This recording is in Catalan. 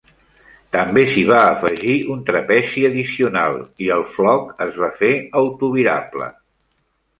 També s'hi va afegir un trapezi addicional i el floc es va fer autovirable.